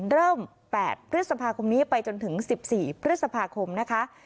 เริ่ม๘พฤษภาคมนี้ไปจนถึง๑๔พฤษภาคมนะคะ